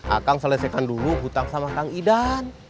akang selesaikan dulu hutang sama akang idan